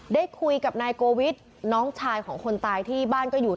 ได้คุยกับนายโกวิทน้องชายของคนตายที่บ้านก็อยู่